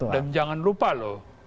dan jangan lupa loh